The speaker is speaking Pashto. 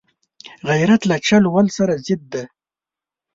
غیرت له چل ول سره ضد دی